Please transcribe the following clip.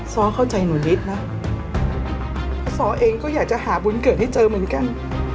้อเข้าใจหนูนิดนะซ้อเองก็อยากจะหาบุญเกิดให้เจอเหมือนกัน